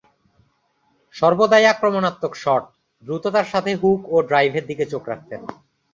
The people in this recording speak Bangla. সর্বদাই আক্রমণাত্মক শট, দ্রুততার সাথে হুক ও ড্রাইভের দিকে চোখ রাখতেন।